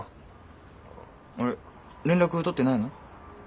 あれ連絡取ってないの？